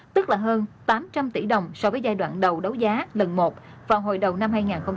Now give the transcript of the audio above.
tức là hơn tám trăm linh tỷ đồng so với giai đoạn đầu đấu giá lần một vào hồi đầu năm hai nghìn hai mươi